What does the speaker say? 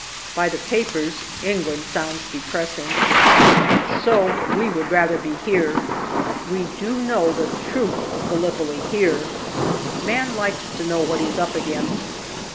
By the papers, England sounds depressing. So we would rather be here. We do know the truth of Gallipoli here. Man likes to know what he is up against.